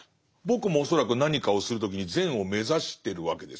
僕も恐らく何かをする時に善を目指してるわけですよね